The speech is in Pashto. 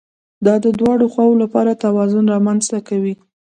دا د دواړو خواوو لپاره توازن رامنځته کوي